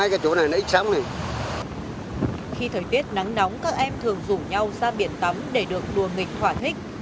khi thời tiết nắng nóng các em thường rủ nhau ra biển tắm để được đùa nghịch thỏa thích